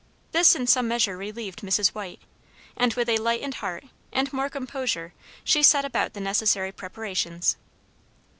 This in some measure relieved Mrs. White, and with a lightened heart and more composure she set about the necessary preparations.